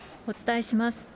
お伝えします。